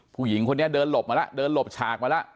ผู้หญิงคนนี้เดินหลบมาแล้วเดินหลบฉากมาแล้ว